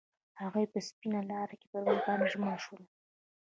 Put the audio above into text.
هغوی په سپین لاره کې پر بل باندې ژمن شول.